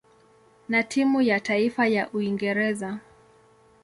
na timu ya taifa ya Uingereza.